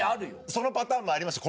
そのパターンもありますし